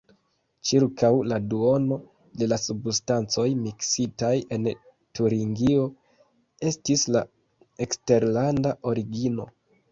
Ĉirkaŭ la duono de la substancoj miksitaj en Turingio estis de eksterlanda origino.